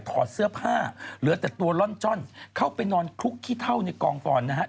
ถอดเสื้อผ้าเหลือแต่ตัวล่อนจ้อนเข้าไปนอนคลุกขี้เท่าในกองฟอนนะฮะ